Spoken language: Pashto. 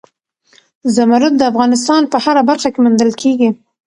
زمرد د افغانستان په هره برخه کې موندل کېږي.